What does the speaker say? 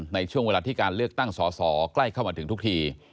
ในช่วงเวลาที่การเลือกตั้งสอสอใกล้เข้ามาถึงทุกที